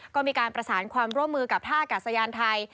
ก็มีการประสานความร่วมมือกับท่าอากาศยานไทย